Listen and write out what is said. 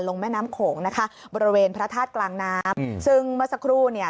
แม่น้ำโขงนะคะบริเวณพระธาตุกลางน้ำอืมซึ่งเมื่อสักครู่เนี่ย